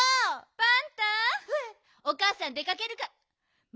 パンタおかあさん出かけるからまあ！